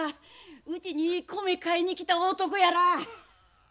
うちに米買いに来た男やら。